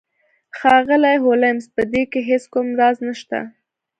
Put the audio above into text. ښاغلی هولمز په دې کې هیڅ کوم راز نشته